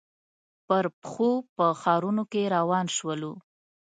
پر پښو په ښارنو کې روان شولو.